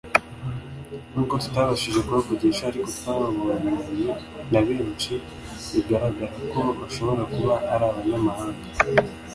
Nubwo tutabashije kubavugisha ariko twababonanye n’abantu benshi bigaragara ko bashobora kuba ari abanyamahanga